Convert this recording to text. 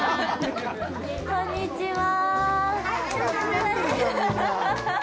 こんにちは。